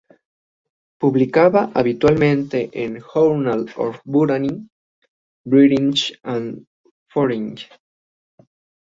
Publicaba habitualmente en Journal of Botany, British and Foreign.